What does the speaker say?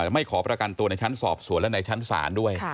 ไม่ขอประกันตัวในชั้นสอบสวนและในชั้นศาลด้วย